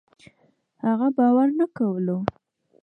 هغه باور نه کولو